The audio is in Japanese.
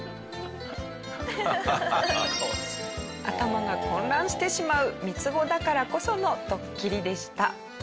頭が混乱してしまう３つ子だからこそのドッキリでした。